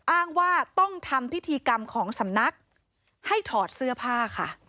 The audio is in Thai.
อ้างว่าต้องทำพิธีกรรมของสำนักให้ถอดเสื้อผ้าค่ะ